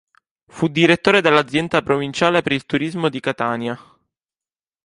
Fu Direttore dell'Azienda Provinciale per il Turismo di Catania.